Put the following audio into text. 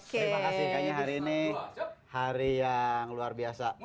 terima kasih kayaknya hari ini hari yang luar biasa